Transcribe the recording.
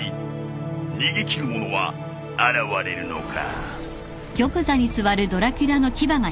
逃げ切る者は現れるのか？